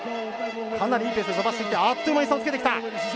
かなりいいペースで伸ばしてきてあっという間に差をつけてきた。